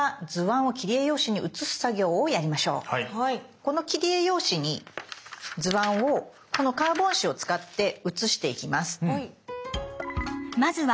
この切り絵用紙に図案をこのカーボン紙を使って写していきます。